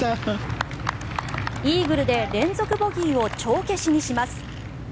イーグルで連続ボギーを帳消しにします。